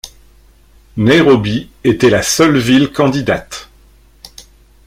Nairobi était la seule ville candidate.